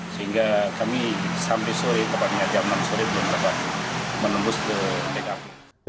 sehingga kami sampai sore tepatnya jam enam sore belum dapat menembus ke tkp